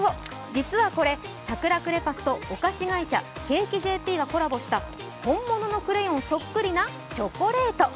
実はこれ、サクラクレパスとお菓子会社、Ｃａｋｅ．ｊｐがコラボした本物のクレヨンそっくりなチョコレート。